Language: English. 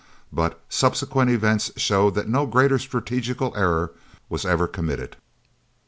But subsequent events showed that no greater strategical error was ever committed.